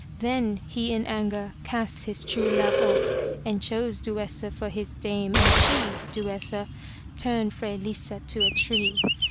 Then he in anger cast his true love off and chose Duessa for his dame and she, Duessa, turned Frae lissa to a tree.